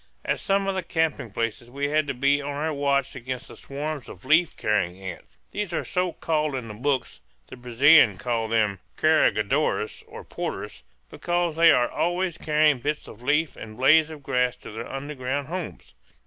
At some of the camping places we had to be on our watch against the swarms of leaf carrying ants. These are so called in the books the Brazilians call them "carregadores," or porters because they are always carrying bits of leaves and blades of grass to their underground homes.